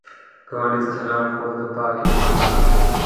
ګاونډي ته سلام کول د پاک ایمان نښه ده